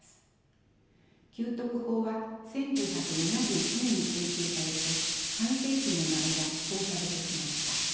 給特法は１９７１年に制定されて半世紀もの間施行されてきました。